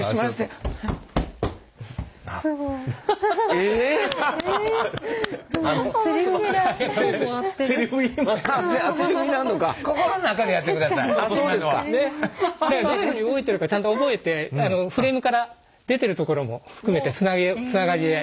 どういうふうに動いてるかちゃんと覚えてフレームから出てるところも含めてつながりで。